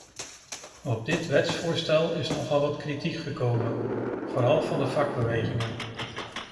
Op dit wetsvoorstel is nogal wat kritiek gekomen, vooral van de vakbewegingen.